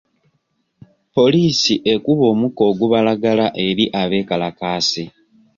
Poliisi ekuba omukka ogubalagala eri abekalakaasi.